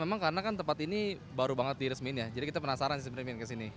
memang karena kan tempat ini baru banget diresmiin ya jadi kita penasaran sih sebenarnya ingin kesini